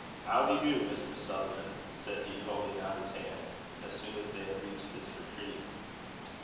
"'Ow de do, Mr. Sutherland?" said he, holding out his hand, as soon as they had reached this retreat.